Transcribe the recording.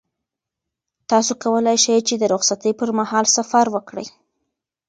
تاسو کولای شئ چې د رخصتۍ پر مهال سفر وکړئ.